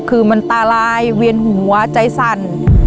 คือมันตาลายเวียนหัวใจสั่น